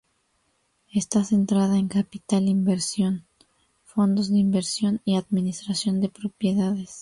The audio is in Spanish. Está centrada en capital inversión, fondos de inversión y administración de propiedades.